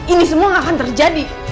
ini semua akan terjadi